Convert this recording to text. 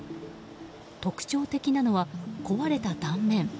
特徴的なのは、壊れた断面。